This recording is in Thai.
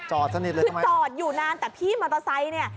สนิทเลยคือจอดอยู่นานแต่พี่มอเตอร์ไซค์เนี่ย